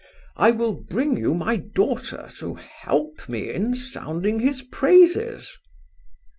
I will bring you my daughter to help me in sounding his praises."